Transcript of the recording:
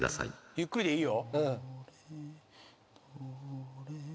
ゆっくりでいいよ